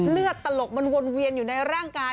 ตลกมันวนเวียนอยู่ในร่างกาย